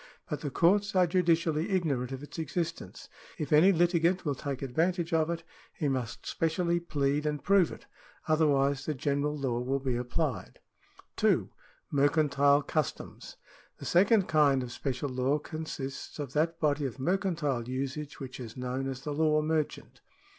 But the courts are judicially ignorant of its existence. If any litigant will take advantage of it, he must specially plead and prove it ; otherwise the general law will be applied. 2. Mercantile customs. — The second kind of special law consists of that body of mercantile usage which is known as the law merchant.